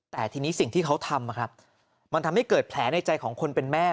แต่ทีนี้สิ่งที่เขาทำมันทำให้เกิดแผลในใจของคนเป็นแม่